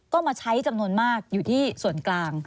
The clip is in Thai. ก็มาใช้จำนวนมากอยู่ที่ส่วนกลาง